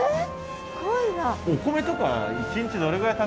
すごいな。